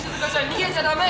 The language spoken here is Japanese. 逃げちゃダメ！